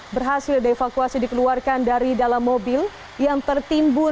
berhasil dievakuasi dikeluarkan dari dalam mobil yang tertimbun